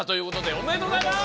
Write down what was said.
ありがとうございます。